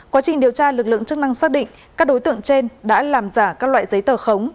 quá trình điều tra lực lượng chức năng xác định các đối tượng trên đã làm giả các loại giấy tờ khống